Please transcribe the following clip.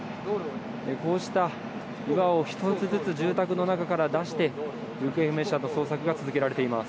こうした岩を１つずつ住宅の中から出して行方不明者の捜索が続けられています。